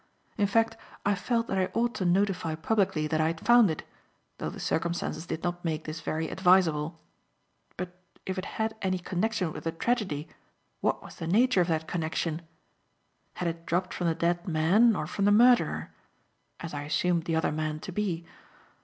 In fact, I felt that I ought to notify publicly that I had found it, though the circumstances did not make this very advisable. But if it had any connection with the tragedy, what was the nature of that connection? Had it dropped from the dead man or from the murderer as I assumed the other man to be?